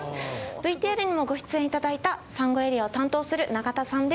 ＶＴＲにもご出演いただいたサンゴエリアを担当する永田さんです。